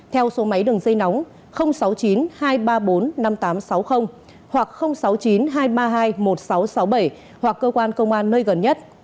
theo số máy đường dây nóng sáu mươi chín hai trăm ba mươi bốn năm nghìn tám trăm sáu mươi hoặc sáu mươi chín hai trăm ba mươi hai một nghìn sáu trăm sáu mươi bảy hoặc cơ quan công an nơi gần nhất